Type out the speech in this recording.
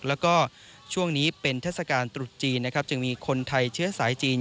แล้วก็ช่วงนี้เป็นเทศกาลตรุษจีนนะครับจึงมีคนไทยเชื้อสายจีน